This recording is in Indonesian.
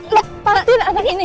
lepasin anak ini